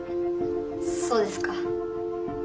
そうですか。